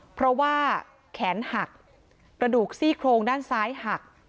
เพราะว่าแขนหักกระดูกซี่โครงด้านซ้ายหัก